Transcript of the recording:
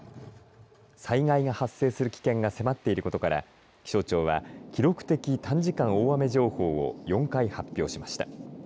災害が発生する危険が迫っていることから気象庁は記録的短時間大雨情報を４回発表しました。